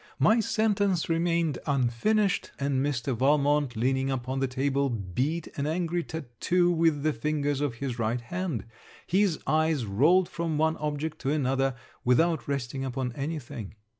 My sentence remained unfinished, and Mr. Valmont leaning upon the table, beat an angry tattoo with the fingers of his right hand. His eyes rolled from one object to another, without resting upon any thing.